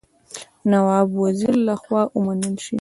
نواب وزیر له خوا ومنل شي.